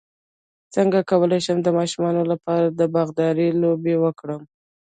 څنګه کولی شم د ماشومانو لپاره د باغدارۍ لوبې وکړم